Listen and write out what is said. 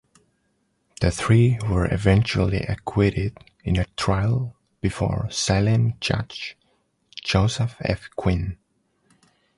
The three were eventually acquitted in a trial before Salem judge Joseph F. Quinn.